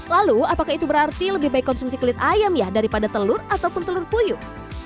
lalu apakah itu berarti lebih baik konsumsi kulit ayam ya daripada telur ataupun telur puyuh